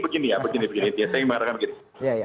jadi nama intinya begini ya saya mengatakan begini